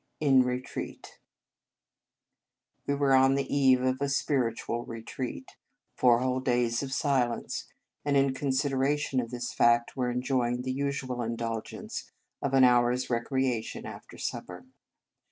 In Retreat WE were on the eve of a " spir itual retreat," four whole days of silence, and, in consideration of this fact, were enjoy ing the unusual indulgence of an hour s recreation after supper.